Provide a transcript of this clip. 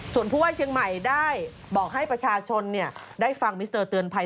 ส่วนผู้ว่าเชียงใหม่ได้บอกให้ประชาชนได้ฟังมิสเตอร์เตือนภัย